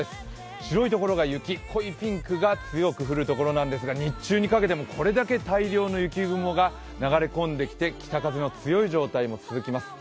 白い所が雪、濃いピンクが強く降る所なんですが日中にかけても、これだけ大量の雪雲が流れ込んできて北風の強い状態も続きます。